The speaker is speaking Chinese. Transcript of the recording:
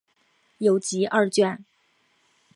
有集二卷。